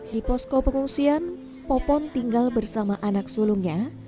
di posko pengungsian popon tinggal bersama anak sulungnya